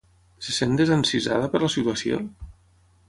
Se sent desencisada per la situació?